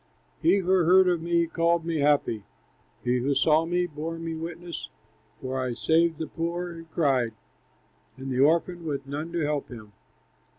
"He who heard of me called me happy, He who saw me bore me witness, For I saved the poor who cried, And the orphan with none to help him.